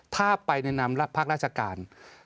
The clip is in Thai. ถ้าไปในนามภาคราชการ